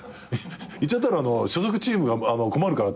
「行っちゃったら所属チームが困るから」って言われて。